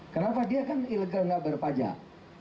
kenapa dia kan ilegal nggak berpajak